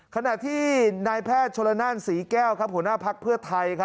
ขณะที่นายแพทย์ชนละนานศรีแก้วหัวหน้าภักดิ์เพื่อไทย